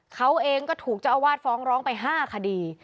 เขาเองก็ถูกเจ้าอาวาสฟ้องร้องไป๕คดี